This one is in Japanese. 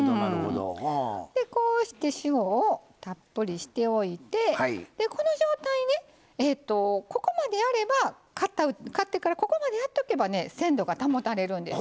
こうして塩をたっぷりしておいてこの状態で買ってからここまでやっておけば鮮度が保たれるんです。